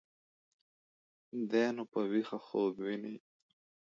دى نو په ويښه خوب ويني.